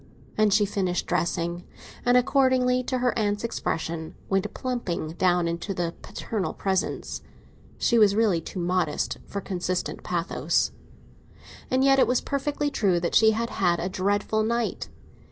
And she finished dressing, and, according to her aunt's expression, went plumping down into the paternal presence. She was really too modest for consistent pathos. And yet it was perfectly true that she had had a dreadful night.